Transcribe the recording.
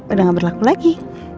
udah gak berlaku lagi